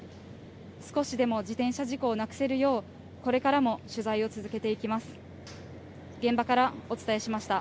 少しでも自転車事故をなくせるよう、これからも取材を続けていきます。